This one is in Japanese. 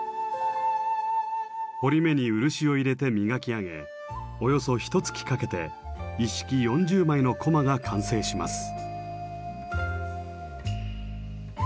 彫り目に漆を入れて磨き上げおよそひとつきかけて一式４０枚の駒が完成します。